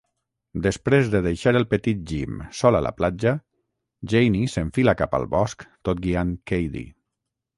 Després de deixar el petit Jim sol a la platja, Janey s'enfila cap al bosc tot guiant Cady.